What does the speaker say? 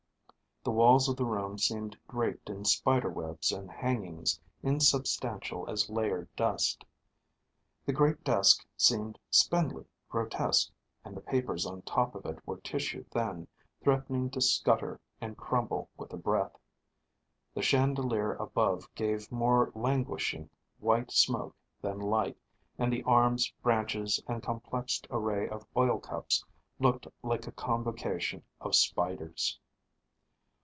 The walls of the room seemed draped in spider webs and hangings insubstantial as layered dust. The great desk seemed spindly, grotesque, and the papers on top of it were tissue thin, threatening to scutter and crumble with a breath. The chandelier above gave more languishing white smoke than light, and the arms, branches, and complexed array of oil cups looked like a convocation of spiders.